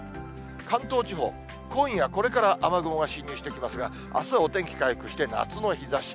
関東地方、今夜これから雨雲が進入してきますが、あすはお天気回復して、夏の日ざし。